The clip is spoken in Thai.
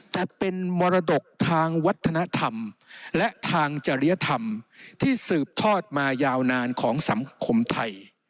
แต่เป็นมรดกทางวัฒนธรรมและทางจริยธรรมที่สืบทอดมายาวนานของสังคมไทย